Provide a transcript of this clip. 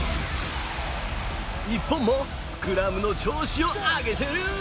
日本もスクラムの調子を上げている。